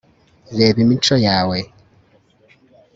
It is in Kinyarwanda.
reba imico yawe